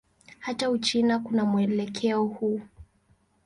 Hata Uchina kuna mwelekeo huu.